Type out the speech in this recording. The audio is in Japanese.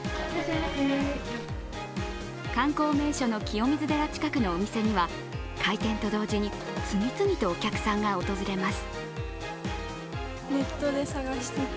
観光名所の清水寺近くのお店には、開店と同時に次々とお客さんが訪れます。